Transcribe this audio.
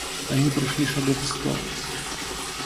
Они прошли шагов сто.